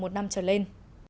một năm trở lên